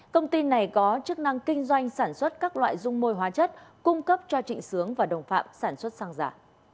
công ty này có chức năng kinh doanh sản xuất các loại dung môi hóa chất cung cấp cho trịnh sướng và đồng phạm sản xuất xăng giả